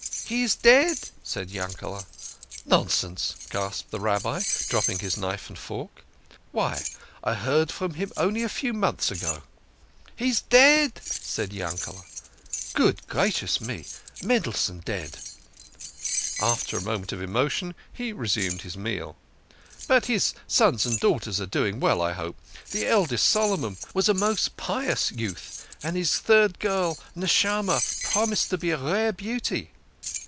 " He is dead !" said Yankele. " Nonsense !" gasped the Rabbi, dropping his knife and fork. "Why, I heard from him only a few months ago." " He is dead !" said Yankele. " Good gracious me ! Mendelssohn dead !" After a moment of emotion he resumed his meal. " But his sons and daughters are all doing well, I hope. The eldest, Solo mon, was a most pious youth, and his third girl, Neshamah, promised to be a rare beauty."